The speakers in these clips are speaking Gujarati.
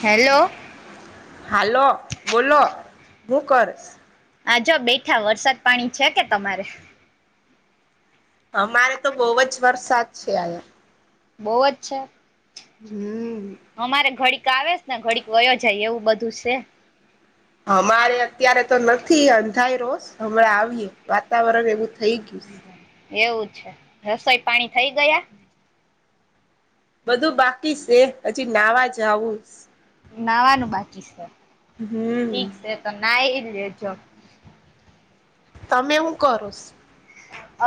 હેલો. હાલો બોલો હું કરશ? આ જો બેઠા વરસાદ પાણી છે કે તમારે? અમારે તો બહુ જ વરસાદ છે અહીં. બહુ જ છે? હમ્મ. અમારે ઘડીક આવેસ ને ઘડીક વયો જાય એવું બધું છે. અમારે અત્યારે તો નથી અંધાર રોસ હમણાં આવીએ વાતાવરણ એવું થઈ ગયુષ. એવું છે. રસોઈ પાણી થઈ ગયા? બધું બાકી સે. હજી નાવા જાઉંસ. નાવાનું બાકી સે. હમ ઠીક સે તો ના ઈ લેજો. તમે હું કરોશ?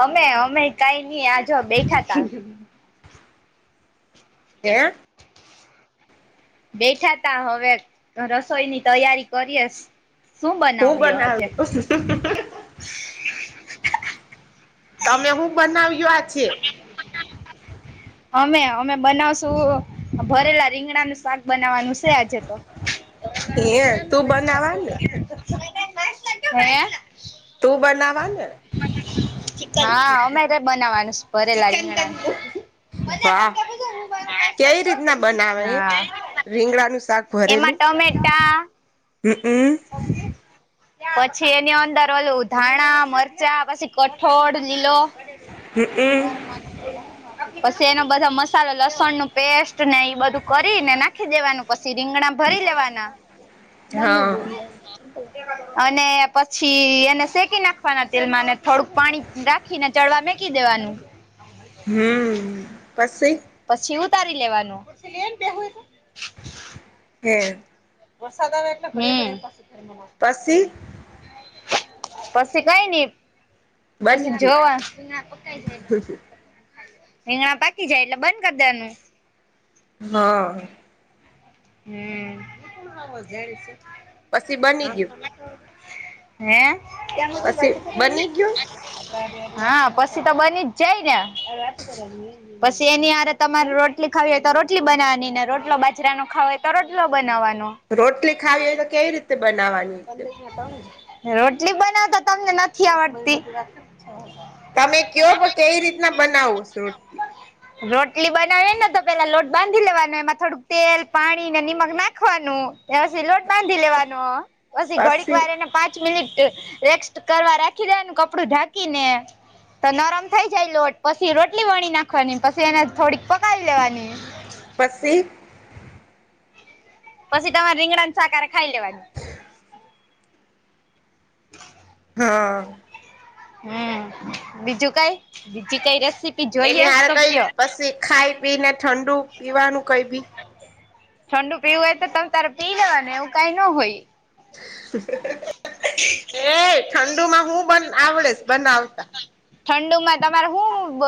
અમે અમે કઈ નઈ આજો બેઠા તા. કેઆ? બેઠા તા હવે રસોઈ ની તૈયારી કરીયસ. હું બનાવ લું? તમે હું બનાવ્યો આ છે? અમે અમે બનાવશું ભરેલા રીંગણાનું શાક બનાવાનું છે આજે તો. હે તું બનાવા ને ભણ્યા? તું બનાવા ને. હા, અમે તા બનાવાનુંસ ભરેલા રીંગણા. વાહ કેવી રીતના બનાવે? હા રીંગડા નું શાક એમાં ભરેલું. ટમેટા હમ્મ, અમ્મ. પછી એની અંદર ઓલું ધાણા મરચાં પછી કઠોળ લીલો હમ્મ અમ્મ. પછી એનો બધા મસાલો લસણ નું પેસ્ટ ને ઈ બધું કરી ને નાખી દેવાનું. પછી રીંગણા ભરી લેવાના. [inaudible] મમ્મી બોલ [unintelligible] અને પછી એને શેકી નાખવાના તેલમાં થોડુંક પાણી રાખ ખી ને ચડવા મેકી દેવાનું. હમ્મ, પસી? પછી ઉતારી લેવાનું. કે. વરસાદ આવે હું. પસી. પછી કઈ નઈ બની પછી ગયું જોવા. રીંગણા પાકી જાય એટલે બંધ કરી દેવાનું. હા. હમ મજ છે [inaudible] પછી બની ગયું હે કેમ છો. પછી બની ગયું હા પછી તો બની જ જાય ને. પછી એની આરે તમારે રોટલી ખાવી હોય તો રોટલી બનાવાની ને રોટલો બાજરાનો હવે તો રોટલો બનાવવાનો. રોટલી ખાવી હોય તો કેવી રીતે બનાવાની. ત [inaudible] રોટલી બનાવતા તમને નથી આવડતી. તમે કયો પણ કેવી રીતના બનાવો છો રોટલી. રોટલી બનાવેને તો પેલા લોટ બાંધી લેવાનો એમાં થોડુંક તેલ પાણી ને નિમક નાખવાનું પછી લોટ બાંધી લેવાનો પછી ઘડીક વાર એને પાચ પાંચ મિનિટ રેસ્ટ કરવા રાખી દેનું કપડું ઢાંકીને તો નરમ થઈ જાય લોટ પછી રોટલી વણી નાખવાની પછી એને થોડીક પકાવી લેવાની પછી. પછી તમારે રીંગડા નુ શાકા હારે ખાઈ લેવાની હા. હમ બીજું કઈ બીજીું કઈ રેસીપી. એની જોઈએ હારે તો કઈ કયો પછી ખાઈ પી ને ઠંડુ પીવાનું કઈ બી. ઠંડુ પીવું હોય તો તમે તારે પી લે ને એું કઈ ન હોય. એ ઠંડુમાં હું બ આવડેશ બનાવતા ઠંડુમાં તમારે હું બ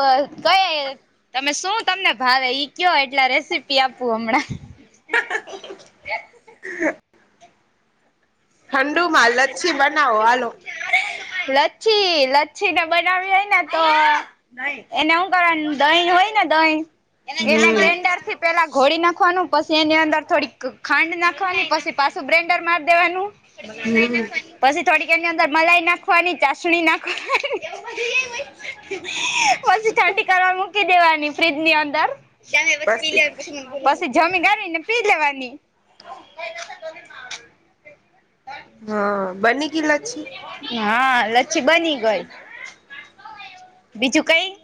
કયે. તમે શું તમને ભાવે ઈ કયો એટલા રેસીપી આપવું હમણાં હ [inaudible] ઠંડુ માં લચ્છી બનાવો આલો. લચ્છી લચ્છી ને બનાવી હોય ને તો. એને શું કરવા દહીં હોય ને દહીં એને હમ ગ્રેન્ડર થી. પેલા ઘોડી નાખવાનું પછી એની અંદર થોડીક ખાંડ નાખવાની પછી પાછું બ્રેન્ડર મારી દેવાનું. હું હું. પછી થોડી ઘરની અંદર મલાઈ નાખવાની ચાસણી નાખવાની. પછી ઠંડી કરવા મૂકી દેવાની ફ્રીજ ની અંદર. પછી જમી કરીને પી લેવાની. હા બની ગ‌ઇ લચ્છી. હા લચ્છી બની ગઈ બીજું કઈ.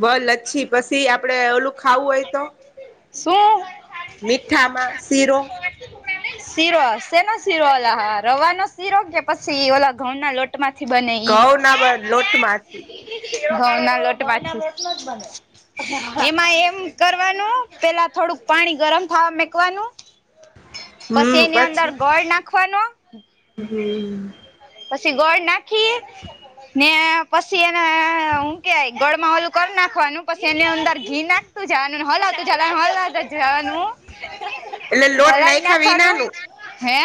બલ લચ્છી પછી આપડે ઓલું ખાવું હોય તો. શું. મીઠામાં શીરો. શીરો શેનો શીરો ઓલા હા રવાનો શીરો કે પછી ઓલા ઘઉં ના લોટ. તમારી થી‌ બને ઇ. ઘઉં ના લોટમાંથી ઘ નાટવા એમાં એમ કરવાનું પેલા થોડુંક પાણી ગરમ થવા મેકવાનું. પછી હમ એની અંદર ગોળ નાખવાનો. હમ પછી ગોળ નાખીએ. ને પછી એને હું કેય ગોળમાં ઓલું કરી નાખવાનું પછી એને અંદર ઘી નાખ. તું જાનુને હલા તું જ જુ. [inaudible] એટલે લોટ નાખાવ વિી નાનું હે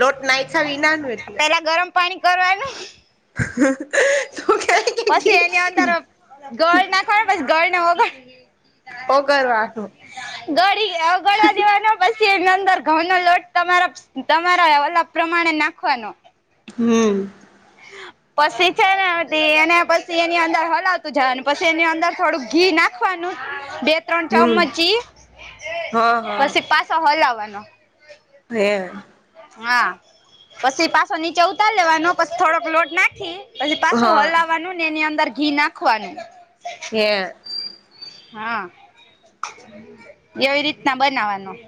લોટ નાખા વિી નાનું એટલે પેલા ગરમ પાણી કરવાનું હા. પછી એની અંદર ગળ નાખવા પછી ગળ નાને હોગર પગરવાઠો. ગડીગળવા દેવાના પછી એની અંદર ઘઉં નો લોટ તમારા તમારા અલા પ્રમાણે નાખવાનો હમ. હ. પછી છે નેી એને પછી એની અંદર હલાવતું જાય અને પછી એની અંદર થોડું ઘી ના. ખવાનું બે ત્રણ હમ ચમચી હા હા પછી પાછો હલાવવાનો હે. હા પછી પાછો નીચે ઉતારી લેવાનો પછી થોડોક લોટ નાખી પછી પાછું હા હલાવાનું ને એની અંદર ઘી નાખવાનું હ. હા એવી રીતના બનાવાનું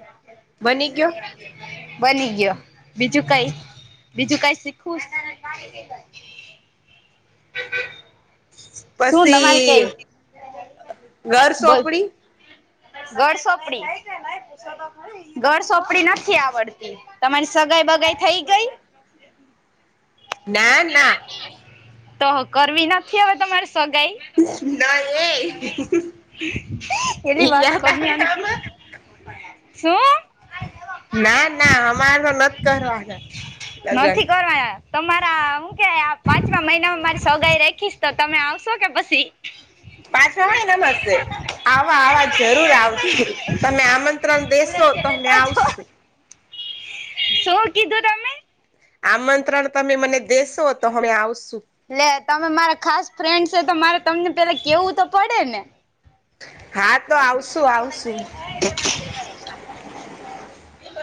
બની ગયો [inaudible] બની ગયો બીજું કઈ બીજું કઈ શીખવું એ [unintelligible] પછી ઘર સોંપડી ઘર સોપડી ઘર સોપડી નથી આવડતી તમારી સગાઈ બગાાઈ થઈ ગઈ. ના ના તો કરવી નથી હવે તમારે સગાઈ ના એ એલી વાત યાદ કર આવે આકી આમાં શું ના ના અમારે તો નથી કરવાના લગન તોરા હું કે આ પાંચમા મહિનામાં મારી સોગાઈ રખીશ તો તમે આવશો કે પછી પાછવા વાયના મ આવા આવા જરૂર આવશે તમે આમંત્રણ દેશો તોને આવશો શોર કીધું ત આમંત્રણ તમે મને દેશો તો હમે આવશું એટલે તમે મારા ખાસ ફ્રેન્ડ છે, તો મારે તમને પેલા કેવું તો પડે ને હા તો આવશુ આવશું [inaudible] હ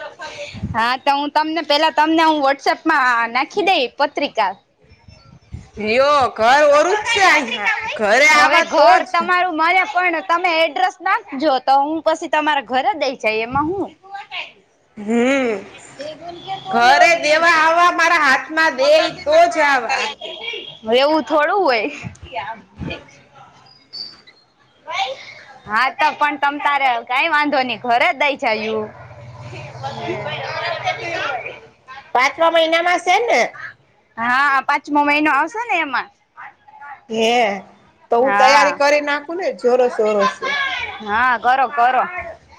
હા તો હું તમને પેલા તમને હું વોટ્સઅપમાં નાખી દઈ પત્રિકા ભયો ઘર ઓરું જ છે અહીં ઘરે હવે આવા તો ઘર જ તમારું મને પણ તમે એડ્રેસ નાખજો તો હું પછી તમારા ઘરે દઈ જાય એમાં હુ હમ્મ ઘરે દેવા આવવા મારા હાથમાં દેઈ તો જ આ એવું થોડું હોય. હા તો પણ તમ તારે કઈ વાંધો નહી ઘરે જ દઈ છે એું હ પાંચમા મહિના માં છે ને હા પાંચમો મહિનો આવશે ને એમાં હે તો હું તૈયારી હા કરી નાખું ને જોરસ ઓરોસ હા કરો કરો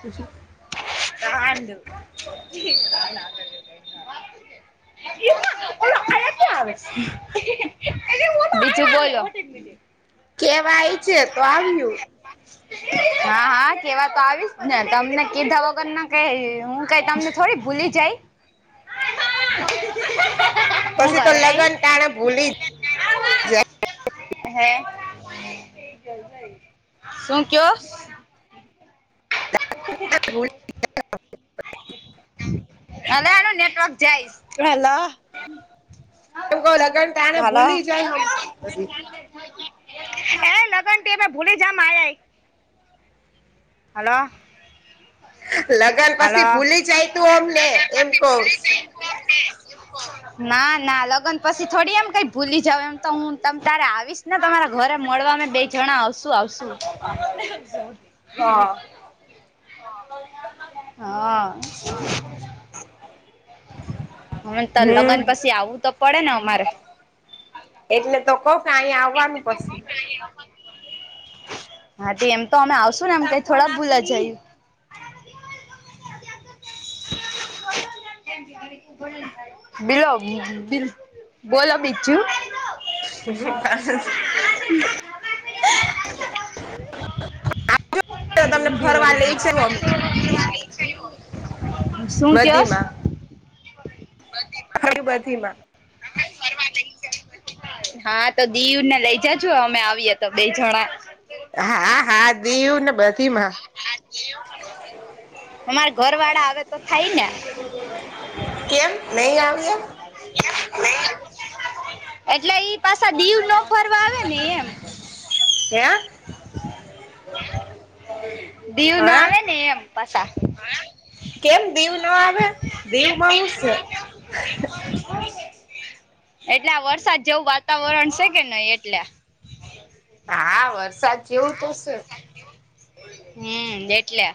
પછી રાડ [inaudible] એ ઓ આવે બીજું બોલો કેવાય છે તો આવ્યું હા હા કેવા તો આવીશ ને તમને કીધા વગર ના કઈ હું કઈ તમને થોડી ભૂલી જાય હું પછી તો કરે લગ્ન ટાણે ભૂલી જ હે શું કયો એમ ર હારું નેટવર્ક જાયશ હલો એમ ક લગન તને ભૂલી જાય હમછ હ લગન ટી મે ભૂલી જામ આ્યા હલો લગ્ન હલો પછી ભૂલી જાય તું અમને એમ કહ ના ના લગ્ન પછી થોડી એમ કઈ ભૂલી જાવ એમ તો હું તમ તારે આવીશ નાને તમારા ઘરે મળવા બે જણા આવશુ આવશું કથવા હા [inaudible] હમે તો લગ્ન હમ પછી આવવું તો પડે ને અમારે. એટલે તો કહ કે અહીંયા આવવાનું પછી. હા તે એમ તો અમે આવશું ને એમ કઈ થોડા ભૂલા જયું [inaudible] બલો બ બોલો મચું. હ. તમને મરી ફરવા લઈ છે અમે શું ક. બધીમાં બમાં. હરીું બધી માં. હ ફરવા નઈ જ. હા તો દીવ ને લઈ જજો અમે આવીએ તો બે જણા. હા હા દીવ ને બધી માં. અમારે ઘર વાળા આવે તો થાય ને. કેમ નહી આવી એ. એટલે ઈ. પાછ દીવ ના ફરવા આવે ને એમ. હે દીવ ના હે આવે ને એમ પાછ. કેમ દીવ ના આવે દીવ ઉલશે. [inaudible] એટલે આ વરસાદ જેવું વાતાવરણ છે કે નહી એટલે હા વરસાદ જેવું તોશે. હમ એટલે.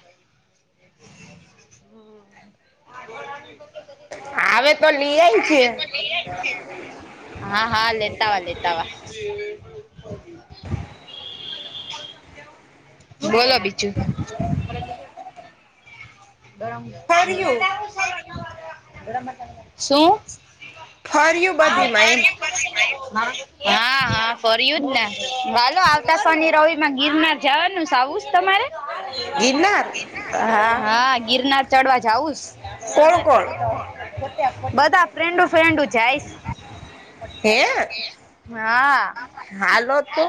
હમ્મ [unintelligible] હ તો લે આય છે. હા હા લેતાવા લેતાવા. બોલો બીજું. પાકિસ્તા. શું ફર્યું હા બધીમાં એમ હા હા ફરય જ ને વાલો આવતા ફની રિ માં ગિરનાર જવાનું સ આવું જ તમારે હા ગિરનાર ચડવા જઉ કોણ કોણ બધા ફ્રેન્ડ ફ્રેન્ડ જાયશ હે હા હાલો તો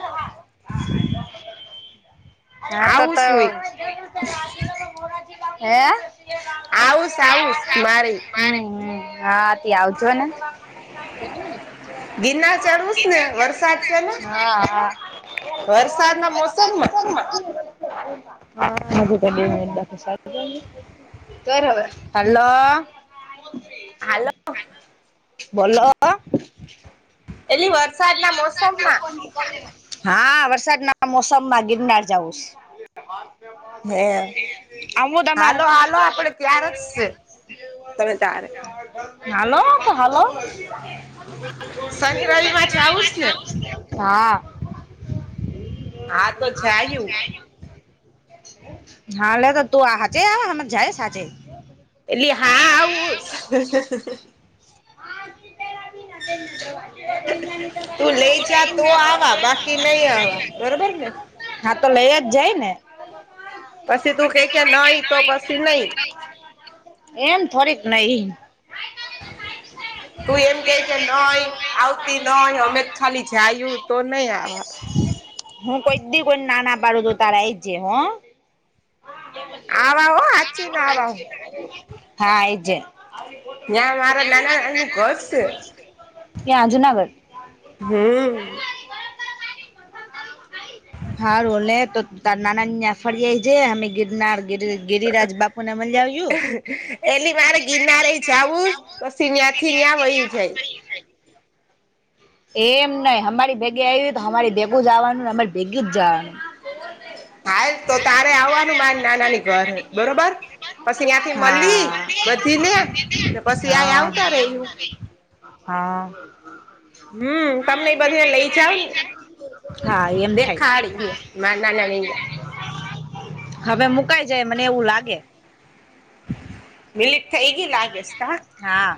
હા તો આવુંસ તો હુંય હે આવુંસ આવુંસ મારે હા હા ત આવજો ને ગિરનાર ચડવુંસ ને વરસાદ છે ને હા હા વરસાદના મોસમમાં ઓ હા હલો હાલો બોલો એટલી વરસાદ ના મોસમ માં હા વરસાદ ના મોસમમાં ગિરનાર જઉું હે અમુદમારે હાલો હાલો આપડે ત્યાર જ છે તમે તારે હાલો તો હાલો વાછ આવુંસ ને હા હા તો જાયું હા લ તો તું સાચ હ જાય સાચે એટલી હા આવું [unintelligible] [unintelligible] તું લઈ જા તો આવા બાકી નહી આવા બરોબર ને હા તો લઈ જ જાય ને પછી તું પછ કે તો કે નહી તો કઈ પછી નહી ક એમ થોડીક નહી તું એમ કે કે ન આવી આવતી ન હોય અમે ખાલી જાયું તો નહી આવ હું કોઈ દી કોઈ નાના બાડું તો તાર એ જ જ હો આવા હો હાચી ને આવા હું હા એજ નયાં મારા નાના નાની નુ ઘર છે ક્યાં જુનાગઢ [inaudible] હા રોલે તો તાર નાનાનીને ફરીયાવ જે અમે ગિરનાર ગિર ગિરિરાજ બાપુ ને મલીયાવિયુ એલી મારે ગિરનારે જાવું જ પછી ન્યાથી ન્યા વઈ જ એમ નઈ અમારી ભેગી આવી તો અમારી ભેગું જ આવવાનું અમારી ભેગી જ જવાનું હાલ તો હા તારે આવવાનું મારે નાનાની ઘરે બરોબર પછી ત્યાંથી મળી હા બધી ને એ પછી આયા આવતા રેયું હા હમ તમને એ બધે લઈ જાવ ને હા એમ થાય દેખાડી માર ના ના ને ગયા હવે મુકાઈ જાય મને એવું લાગતું મિલિટ થઈ ગઈ લાગેસે કા હા.